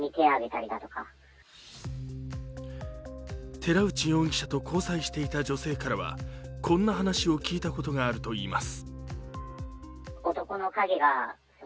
寺内容疑者と交際していた女性からはこんな話を聞いたことがあるといいます。